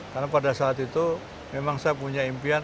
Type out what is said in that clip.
karena pada saat itu memang saya punya impian